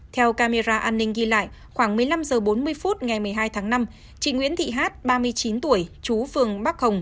theo camera an ninh ghi lại khoảng một mươi năm h bốn mươi phút ngày một mươi hai tháng năm chị nguyễn thị hát ba mươi chín tuổi chú phường bắc hồng